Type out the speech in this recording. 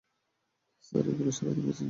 হ্যাঁ, স্যার এইগুলোও সারিতে পেয়েছিলে?